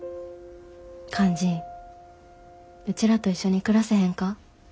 寛治うちらと一緒に暮らせへんか？